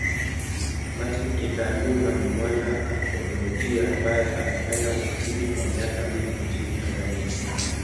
Martin kitaaluma ni mwana anthropolojia ambaye amefanya utafiti kwa miaka mingi nchini Tanzania.